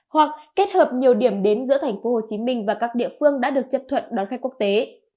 hoặc kết hợp nhiều điểm đến giữa thành phố hồ chí minh và các địa phương đã được chấp thuận đón khách quốc tế